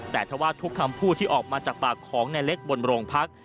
แต่ถ้าว่าทุกคำพูดที่ออกมาจากปากของในเล็กบนโรงพัก